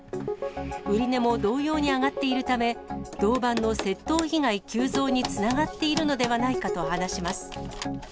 売値も同様に上がっているため、銅板の窃盗被害急増につながっているのではないかと話します。